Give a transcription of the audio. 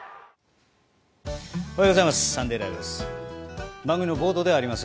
おはようございます。